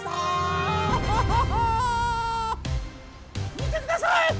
みてください！